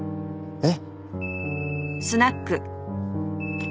「えっ」